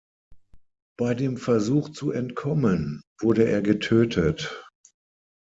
Bei dem Versuch zu entkommen wurde er getötet.